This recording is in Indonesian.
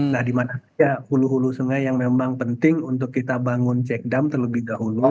nah dimana hulu hulu sungai yang memang penting untuk kita bangun check dam terlebih dahulu